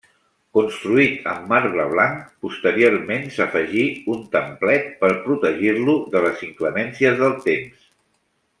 Construït amb marbre blanc, posteriorment s'afegí un templet per protegir-lo de les inclemències del temps.